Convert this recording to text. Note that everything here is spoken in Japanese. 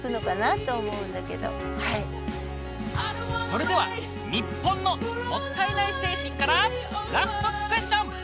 それでは日本のもったいない精神からラストクエスチョン！